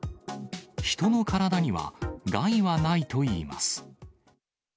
人の体には害はないといいます。